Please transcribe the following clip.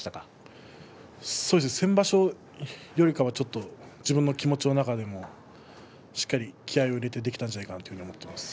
先場所よりかは自分の気持ちの中ではしっかり気合いを入れてできたと思います。